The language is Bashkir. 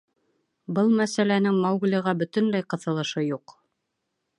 Был мәсьәләнең Мауглиға бөтөнләй ҡыҫылышы юҡ.